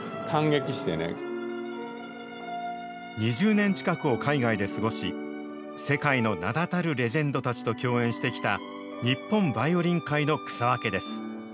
２０年近くを海外で過ごし、世界の名だたるレジェンドたちと共演してきた日本バイオリン界の草分けです。